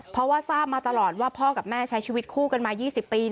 เพราะว่าทราบมาตลอดว่าพ่อกับแม่ใช้ชีวิตคู่กันมา๒๐ปี